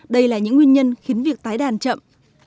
đây là những nguyên nhân khiến việc tái đàn chậm